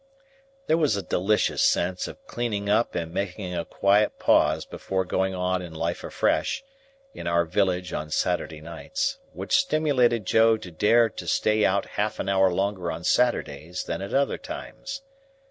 There was a delicious sense of cleaning up and making a quiet pause before going on in life afresh, in our village on Saturday nights, which stimulated Joe to dare to stay out half an hour longer on Saturdays than at other times.